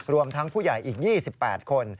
รวมทั้งผู้ใหญ่อีก๒๘คน